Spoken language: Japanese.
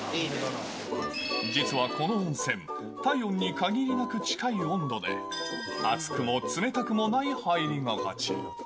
実はこの温泉、体温に限りなく近い温度で、熱くも冷たくもない入り心地。